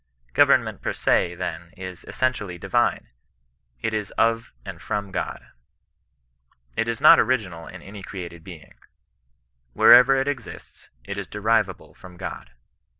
Government per se, then, is essentially divine; it is of and from God. It is not original in any created being. Wherever it exists, it is derivable from God.